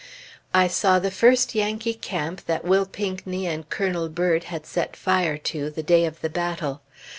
I saw the first Yankee camp that Will Pinckney and Colonel Bird had set fire to the day of the battle.